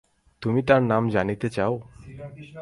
তুমি তার নাম জানিতে চাও?